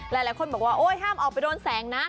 ห้ามออกไปโดนแสงนะ